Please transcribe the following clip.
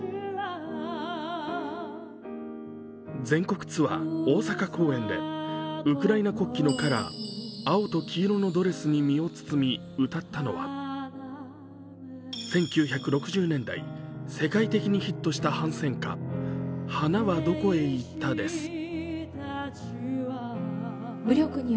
全国ツアー大阪公演でウクライナ国旗のカラー青と黄色のドレスに身を包み歌ったのは１９６０年代、世界的にヒットした反戦歌「花はどこへ行った」です。